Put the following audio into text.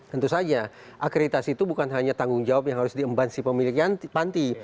tentu saja akreditasi itu bukan hanya tanggung jawab yang harus diembangsi pemilik panti